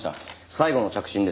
最後の着信です。